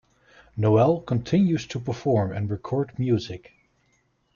Noel continues to perform and record music.